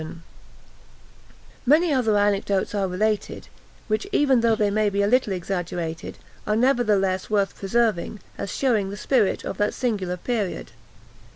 Many other anecdotes are related, which even though they may be a little exaggerated, are nevertheless worth preserving, as shewing the spirit of that singular period.